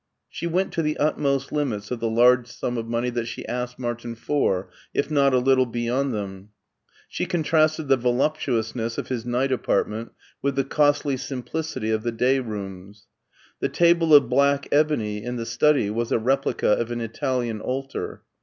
She went to the utmost limits of the large sum of money that she asked Martin for, if not a little beyond them. She contrasted the voluptuousness of his night apartment with the costly simplicity of the day rooms. The table of black ebony in the study was a replica of an Italian altar.